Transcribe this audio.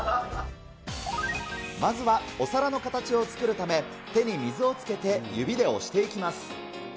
まずはお皿の形を作るため、手に水をつけて、指で押していきます。